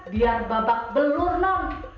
biar babak belur nona